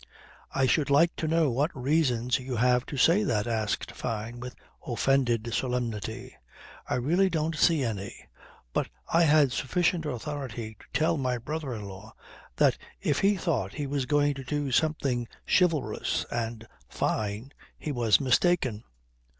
"I should like to know what reasons you have to say that," asked Fyne with offended solemnity. "I really don't see any. But I had sufficient authority to tell my brother in law that if he thought he was going to do something chivalrous and fine he was mistaken.